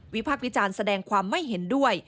พักวิจารณ์แสดงความไม่เห็นด้วย